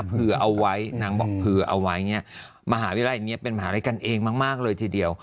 เผื่อเอาไว้นางบอกเผื่อเอาไว้เนี่ยมหาวิทยาลัยนี้เป็นมหาลัยกันเองมากเลยทีเดียว